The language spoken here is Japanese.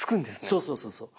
そうそうそうそう。